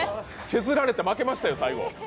削られて負けましたよ、最後。